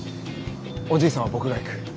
おじいさんは僕が行く。